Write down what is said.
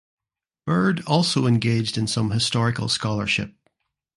Bird also engaged in some historical scholarship.